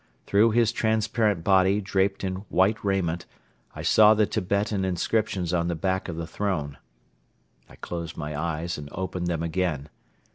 Through his transparent body draped in white raiment I saw the Tibetan inscriptions on the back of the throne. I closed my eyes and opened them again.